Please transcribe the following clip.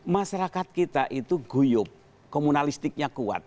masyarakat kita itu guyup komunalistiknya kuat